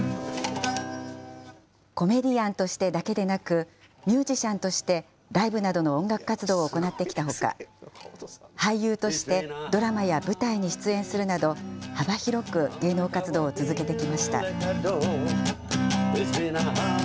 コメディアンとしてだけでなく、ミュージシャンとしてライブなどの音楽活動を行ってきたほか、俳優としてドラマや舞台に出演するなど、幅広く芸能活動を続けてきました。